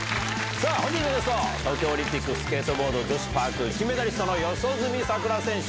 本日のゲスト東京オリンピックスケートボード女子パーク金メダリストの四十住さくら選手。